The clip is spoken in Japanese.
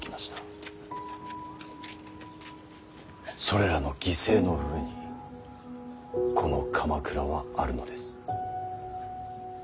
それらの犠牲の上にこの鎌倉はあるのです。